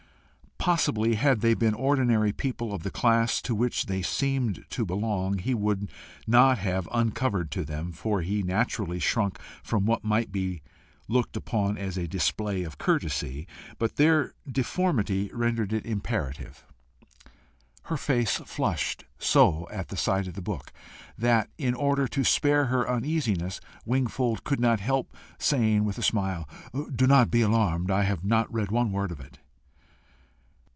Possibly, had they been ordinary people of the class to which they seemed to belong, he would not have uncovered to them, for he naturally shrunk from what might be looked upon as a display of courtesy, but their deformity rendered it imperative. Her face flushed so at sight of the book, that, in order to spare her uneasiness, Wingfold could not help saying with a smile, "Do not be alarmed: I have not read one word of it."